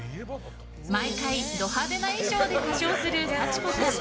毎回ド派手な衣装で歌唱する幸子さん。